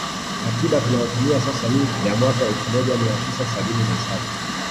Katiba tunayotumia sasa ni ya mwaka elfu moja mia tisa sabini na saba